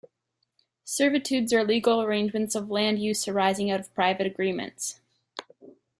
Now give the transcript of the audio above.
Servitudes are legal arrangements of land use arising out of private agreements.